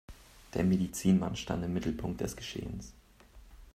Der Medizinmann stand im Mittelpunkt des Geschehens.